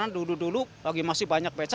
dulu dulu lagi masih banyak beca